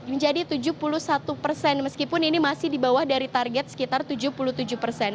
menjadi tujuh puluh satu persen meskipun ini masih di bawah dari target sekitar tujuh puluh tujuh persen